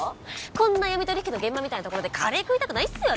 こんな闇取引の現場みたいな所でカレー食いたくないっすよ